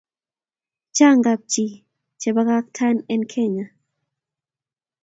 Chan kapchi che pakaktakee en Kenya